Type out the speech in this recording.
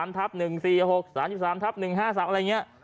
ทับ๑๔๖๓๓ทับ๑๕๓อะไรอย่างนี้